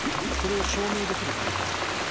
それを証明できる人いるかな？